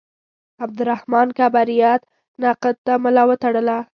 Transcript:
عبدالرحمان کبریت نقد ته ملا وتړله.